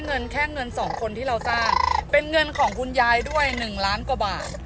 เงินแค่เงินสองคนที่เราสร้างเป็นเงินของคุณยายด้วย๑ล้านกว่าบาท